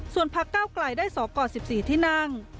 ส่วนพักเก้าไกลได้สอกร๑๔ที่นั่ง